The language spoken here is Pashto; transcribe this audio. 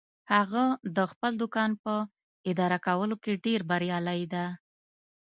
هغه د خپل دوکان په اداره کولو کې ډیر بریالی ده